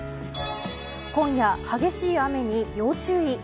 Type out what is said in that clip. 今夜、激しい雨に要注意。